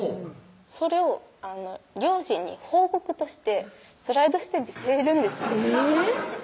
それを両親に報告としてスライドして見せるんですえぇっ